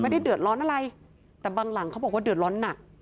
ไม่ได้เดือดร้อนอะไรแต่บางหลังเขาบอกว่าเดือดร้อนหนัก